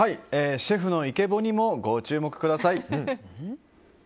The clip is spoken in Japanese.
シェフのイケボにもご注目ください。